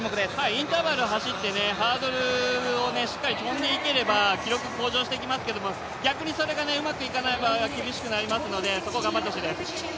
インターバルを走ってハードルをしっかり跳んでいければ記録向上してきますけど逆にそれがうまくいかない場合は厳しくなりますので、そこ、頑張ってほしいです。